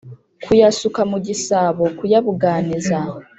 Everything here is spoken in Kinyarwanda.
kuyasuka mu gisabo kuyabuganiza